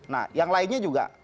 nah yang lainnya juga